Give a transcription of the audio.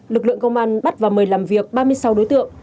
lực lượng công an bắt và mời làm việc ba mươi sáu đối tượng